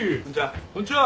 こんにちは。